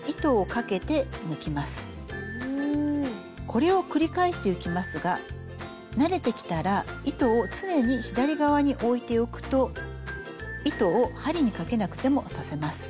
これを繰り返していきますが慣れてきたら糸を常に左側に置いておくと糸を針にかけなくても刺せます。